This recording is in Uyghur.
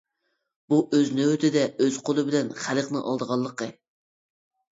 بۇ ئۆز نۆۋىتىدە ئۆز قولى بىلەن خەلقنى ئالدىغانلىقى.